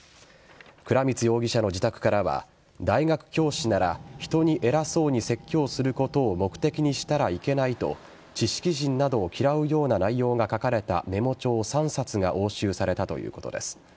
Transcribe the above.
倉光容疑者の自宅からは大学教師なら人に偉そうに説教することを目的にしたらいけないと知識人などを嫌うような内容が書かれたメモ帳３冊が押収されたということです。